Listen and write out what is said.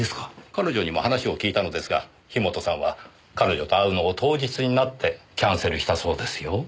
彼女にも話を聞いたのですが樋本さんは彼女と会うのを当日になってキャンセルしたそうですよ。